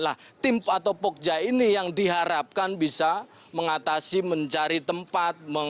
nah tim atau pokja ini yang diharapkan bisa mengatasi mencari tempat